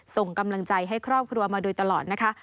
ส่งกำลังใจให้ครอบครัวมาโดยตลอดนะคะ